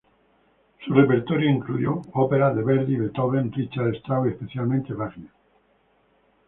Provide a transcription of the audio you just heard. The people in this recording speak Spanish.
Su repertorio incluyó óperas de Verdi, Beethoven, Richard Strauss y especialmente Wagner.